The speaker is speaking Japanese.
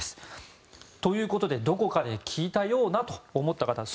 ということでどこかで聞いたようだと思った方